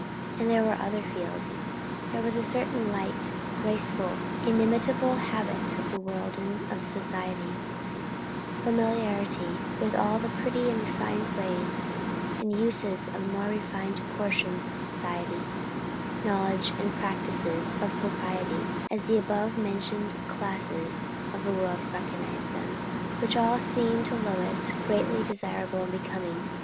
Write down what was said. And there were other fields. There was a certain light, graceful, inimitable habit of the world and of society; familiarity with all the pretty and refined ways and uses of the more refined portions of society; knowledge and practice of proprieties, as the above mentioned classes of the world recognize them; which all seemed to Lois greatly desirable and becoming.